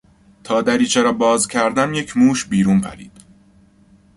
تا دریچه را باز کردم یک موش بیرون پرید.